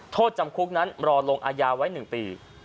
โทษจำคุกนั้นรอลงอายาไว้๑ปี